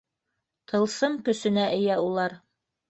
Тылсым көсөнә эйә улар.